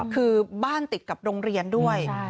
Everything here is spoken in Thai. คือบ้านติดกับโรงเรียนด้วย